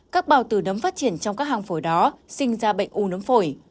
các bào từ nấm phát triển trong các hang phổi đó sinh ra bệnh u nấm phổi